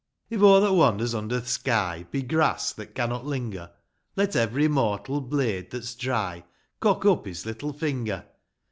IV. If o' that wanders under th' sky Be grass, that cannot linger, Let every mortal blade that's dry Cock up his httle finger.